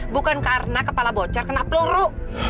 bukan karena kepala bocor kena peluru